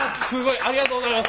ありがとうございます！